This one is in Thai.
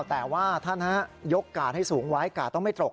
แต่ว่าท่านยกกาดให้สูงไว้กาดต้องไม่ตก